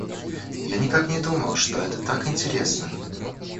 Я никак не думал, что это так интересно!